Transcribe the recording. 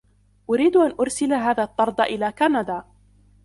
أريد أن أرسل هذا الطرد إلى كندا.